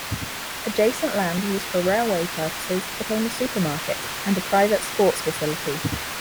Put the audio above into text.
Adjacent land used for railway purposes became a supermarket and a private sports facility.